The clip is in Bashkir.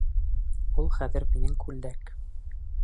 Ул хәҙер минең күлдәк.